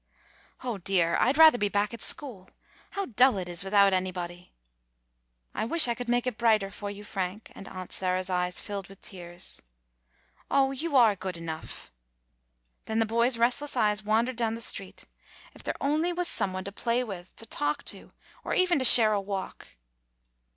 "O dear! I 'd rather be back at school. How dull it is without anybody." "I wish I could make it brighter for you, Frank," and Aunt Sarah's eyes filled with tears. "Oh ! you are good enough." Then the boy's restless eyes wandered down the street. If there only was some one to play with, to talk to, or even to share a walk.